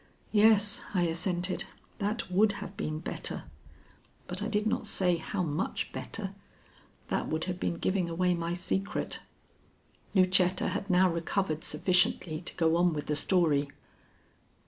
"Yes," I assented, "that would have been better." But I did not say how much better. That would have been giving away my secret. Lucetta had now recovered sufficiently to go on with the story.